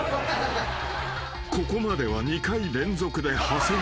［ここまでは２回連続で長谷川］